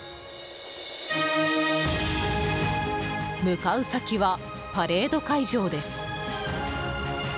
向かう先はパレード会場です。